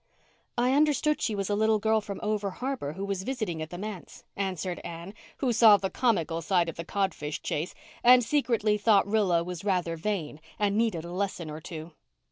"I understood she was a little girl from over harbour who was visiting at the manse," answered Anne, who saw the comical side of the codfish chase and secretly thought Rilla was rather vain and needed a lesson or two.